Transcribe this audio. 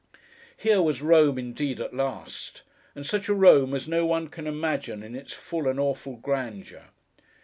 Here was Rome indeed at last; and such a Rome as no one can imagine in its full and awful grandeur!